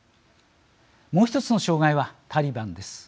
もう一つの障害はタリバンです。